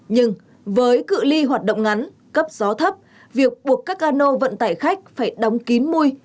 nhưng với cự li hoạt động ngắn cấp gió thấp việc buộc các cano vận tải khách phải đóng kín mui